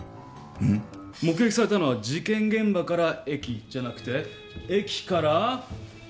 うん？目撃されたのは事件現場から駅じゃなくて駅から事件現場？